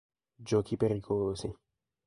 Giochi pericolosi